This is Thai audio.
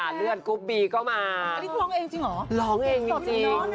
ไม่เชื่อไปฟังกันหน่อยค่ะ